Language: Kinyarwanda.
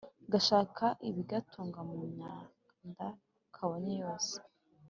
gashaka ibigatunga mu myanda kabonye yose